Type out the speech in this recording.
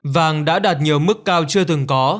vàng đã đạt nhiều mức cao chưa từng có